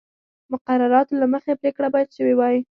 مقرراتو له مخې پرېکړه باید شوې وای